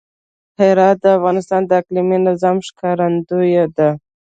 هرات د افغانستان د اقلیمي نظام ښکارندوی ده.